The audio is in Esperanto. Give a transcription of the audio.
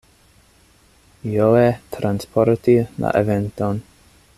Joe transporti la eventon.